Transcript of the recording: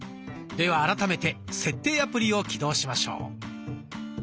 では改めて「設定」アプリを起動しましょう。